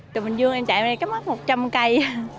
từ bình dương em chạy qua đây có mất một trăm linh cây